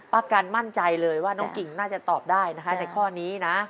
ประกันมั่นใจเลยว่าน้องกิ่งน่าจะตอบได้นะคะในข้อนี้นะ